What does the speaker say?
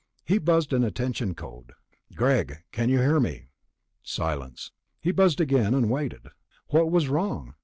He buzzed an attention code. "Greg? Can you hear me?" Silence. He buzzed again, and waited. What was wrong?